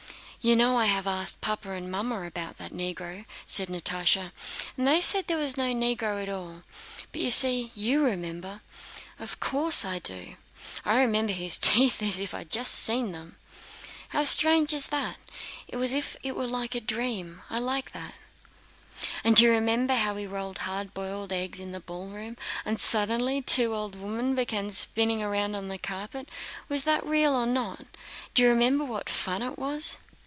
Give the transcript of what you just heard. "You know I have asked Papa and Mamma about that Negro," said Natásha, "and they say there was no Negro at all. But you see, you remember!" "Of course I do, I remember his teeth as if I had just seen them." "How strange it is! It's as if it were a dream! I like that." "And do you remember how we rolled hard boiled eggs in the ballroom, and suddenly two old women began spinning round on the carpet? Was that real or not? Do you remember what fun it was?"